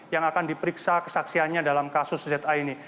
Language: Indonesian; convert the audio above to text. yang akan diperiksa kesaksiannya dalam kasus z a ini